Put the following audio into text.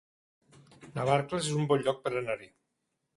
Navarcles es un bon lloc per anar-hi